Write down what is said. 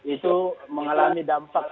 itu mengalami dampak